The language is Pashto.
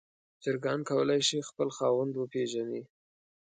چرګان کولی شي خپل خاوند وپیژني.